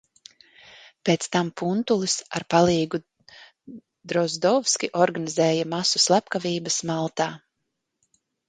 Pēc tam Puntulis ar palīgu Drozdovski organizēja masu slepkavības Maltā.